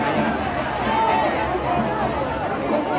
สวัสดีครับ